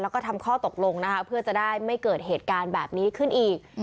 แล้วก็ทำข้อตกลงนะคะเพื่อจะได้ไม่เกิดเหตุการณ์แบบนี้ขึ้นอีก